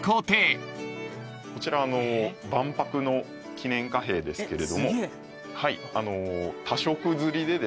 こちら万博の記念貨幣ですけれども。